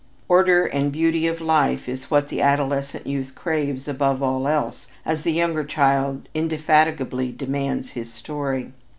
Order and beauty of life is what the adolescent youth craves above all else as the younger child indefatigably demands his story.